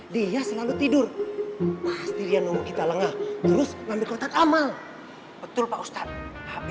dia selalu tidur pas dia nunggu kita lengah terus ngambil kotak amal betul pak ustadz